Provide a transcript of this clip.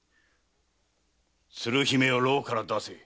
鶴姫を牢から出せ。